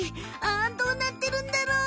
あどうなってるんだろう？